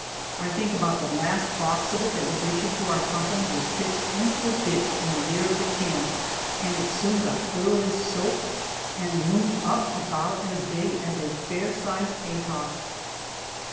I think about the last box of it that was issued to our company was pitched into a ditch in the rear of the camp, and it soon got thoroughly soaked and loomed up about as big as a fair sized hay cock.